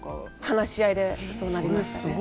話し合いでそうなりましたね。